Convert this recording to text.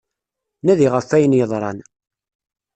Nadi ɣef wayen yeḍran.